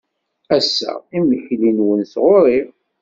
Ass-a, imekli-nwen sɣur-i.